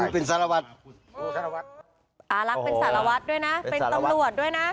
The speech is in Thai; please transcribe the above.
เป็นตำรวจด้วยนะ